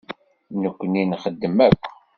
Nekkni nxeddem akk.